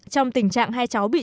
trong tình trạng hai cháu bị